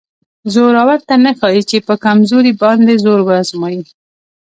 زورور ته نه ښایي چې په کمزوري باندې زور وازمایي.